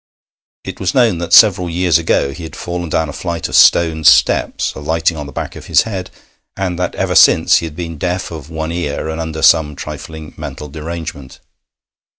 It was known that several years ago he had fallen down a flight of stone steps, alighting on the back of his head, and that ever since he had been deaf of one ear and under some trifling mental derangement.